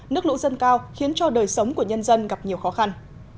nước lũ dâng cao khiến cho đời sống của nhân dân gặp nhiều khó khăn